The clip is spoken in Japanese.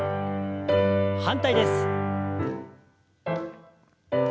反対です。